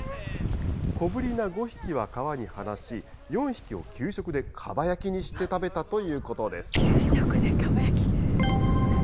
小ぶりな５匹は川に放し、４匹を給食でかば焼きにして食べたとい給食でかば焼き。